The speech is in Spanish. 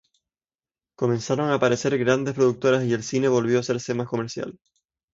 Comenzaron a aparecer grandes productoras y el cine volvió a hacerse más comercial.